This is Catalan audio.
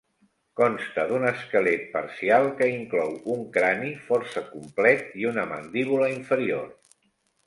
Consta d'un esquelet parcial que inclou un crani força complet i una mandíbula inferior.